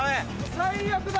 最悪だ。